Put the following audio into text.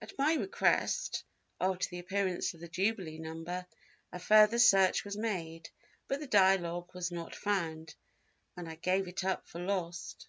At my request, after the appearance of the jubilee number, a further search was made, but the Dialogue was not found and I gave it up for lost.